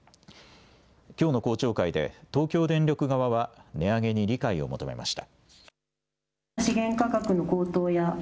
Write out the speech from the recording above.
きょうの公聴会で東京電力側は値上げに理解を求めました。